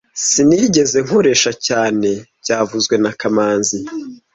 Sinigeze nkoresha cyane byavuzwe na kamanzi